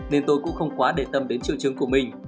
nên tôi cũng không quá để tâm đến triệu chứng của mình